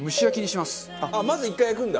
まず１回焼くんだ。